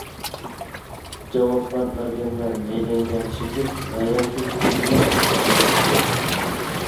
جاۋابلار بەرگەندە مەيدەڭگە چېكىپ، ۋە ياكى تۈگىمەس قەسەملەر ئىچىپ.